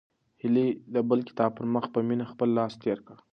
هیلې د بل کتاب پر مخ په مینه خپل لاس تېر کړ.